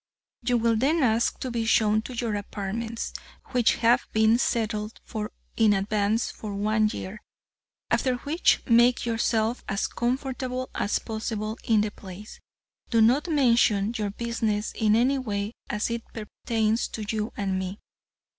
"You will then ask to be shown to your apartments, which have been settled for in advance for one year, after which make yourself as comfortable as possible in the place. Do not mention your business in any way as it pertains to you and me.